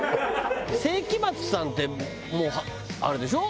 聖飢魔Ⅱさんってもうあれでしょ？